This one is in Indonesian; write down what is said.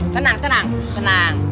tenang tenang tenang